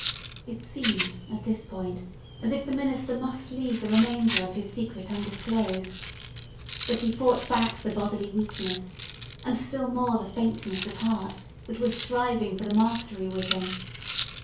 It seemed, at this point, as if the minister must leave the remainder of his secret undisclosed. But he fought back the bodily weakness—and, still more, the faintness of heart—that was striving for the mastery with him.